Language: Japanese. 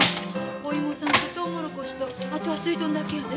お芋さんとトウモロコシとあとはすいとんだけやで。